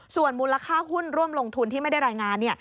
ส่วนมูลค่าหุ้นร่วมลงทุนที่ไม่ได้รายงาน